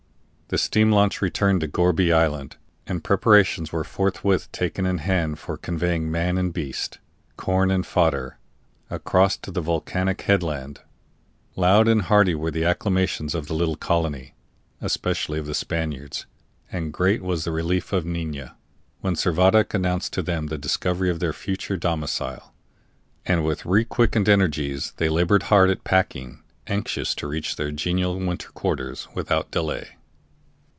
The steam launch returned to Gourbi Island, and preparations were forthwith taken in hand for conveying man and beast, corn and fodder, across to the volcanic headland. Loud and hearty were the acclamations of the little colony, especially of the Spaniards, and great was the relief of Nina, when Servadac announced to them the discovery of their future domicile; and with requickened energies they labored hard at packing, anxious to reach their genial winter quarters without delay.